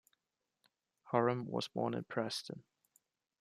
Horam was born in Preston.